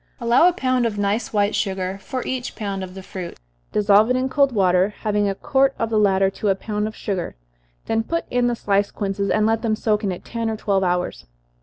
Allow a pound of nice white sugar for each pound of the fruit dissolve it in cold water, having a quart of the latter to a pound of sugar, then put in the sliced quinces, and let them soak in it ten or twelve hours.